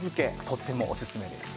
とってもおすすめです。